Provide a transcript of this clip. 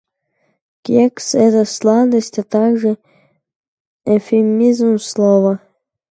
Кекс — это сладость, а также эвфемизм слова "секс".